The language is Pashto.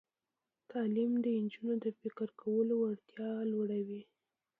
تعلیم د نجونو د فکر کولو وړتیا لوړوي.